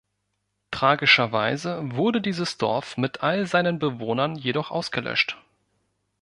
Tragischerweise wurde dieses Dorf mit all seinen Bewohnern jedoch ausgelöscht.